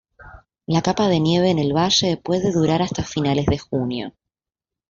La capa de nieve en el valle puede durar hasta finales de junio.